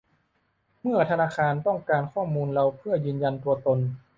เมื่อธนาคารต้องการข้อมูลเราเพื่อยืนยันตัวตน